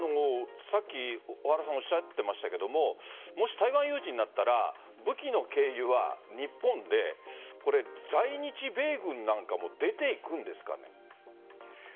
小原さんがさっきおっしゃっていましたがもし台湾有事になったら武器の経由は日本で在日米軍なんかも出ていくんですかね？